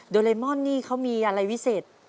เลมอนนี่เขามีอะไรวิเศษ